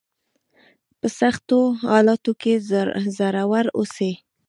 په سختو حالاتو کې زړور اوسئ.